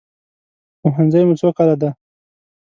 پوهنځی مو څو کاله ده؟